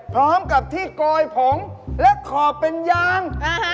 พร้อมกับที่โกยผงและขอบเป็นยาง